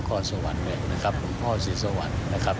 เป็นรัฐและข้อสวรรค์นะครับพ่อสิทธิ์สวรรค์นะครับ